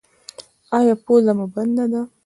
ایا پوزه مو بنده ده؟